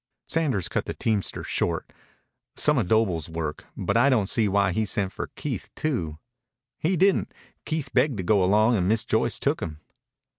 Sanders cut the teamster short. "Some of Doble's work. But I don't see why he sent for Keith too." "He didn't. Keith begged to go along an' Miss Joyce took him."